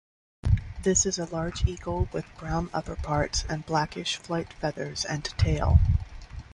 This is a large eagle with brown upperparts and blackish flight feathers and tail.